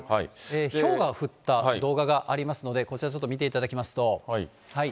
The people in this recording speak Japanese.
ひょうが降った動画がありますので、こちらちょっと見ていただきますと。